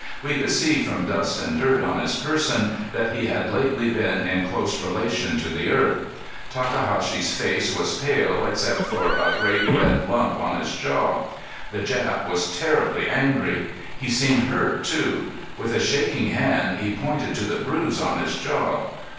We could see from dust and dirt on his person that he had lately been in close relation to the earth. Takahashi's face was pale except for a great red lump on his jaw. The Jap was terribly angry. He seemed hurt, too. With a shaking hand he pointed to the bruise on his jaw.